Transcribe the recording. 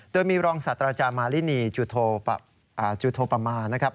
โดยมีรองสัตว์อาจารย์มาลินีจุธโพมา